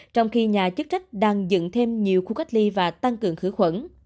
trong khi nhà chức trách đang dựng thêm nhiều khu cách ly và tăng cường khử khuẩn